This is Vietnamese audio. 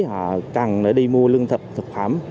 họ cần để đi mua lương thực thực phẩm